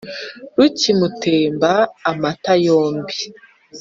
rukimutemba amata yombi,